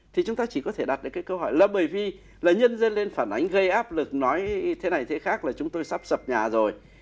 thì chúng ta chỉ có thể đặt được cái câu hỏi là bởi vì là nhân dân lên phản ánh gây áp lực nói thế này thế khác là chúng tôi sắp sập nhà rồi